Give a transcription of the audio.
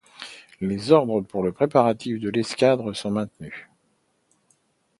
Les ordres pour les préparatifs de l'escadre sont maintenus.